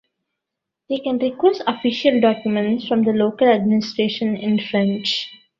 They can request official documents from the local administration in French.